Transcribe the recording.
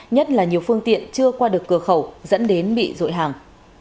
nhất là nhiều phương tiện chưa qua được cửa khẩu dẫn đến bị rội hàng